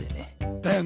だよね。